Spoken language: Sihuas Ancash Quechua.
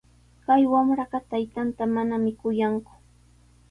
Kay wamraqa taytanta manami kuyanku.